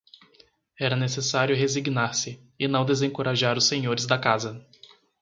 Era necessário resignar-se e não desencorajar os senhores da casa.